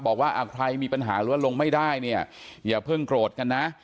บอกว่าใครมีปัญหาหรือว่าลงไม่ได้เนี่ยอย่าเพิ่งโกรธกันนะ